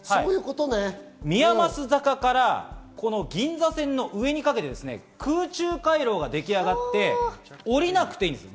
宮益坂から銀座線の上にかけて空中回廊が出来上がって、下りなくていいんです。